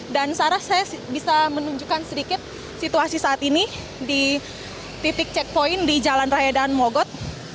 dan sarah saya bisa menunjukkan sedikit situasi saat ini di titik checkpoint di jalan raya dan mogot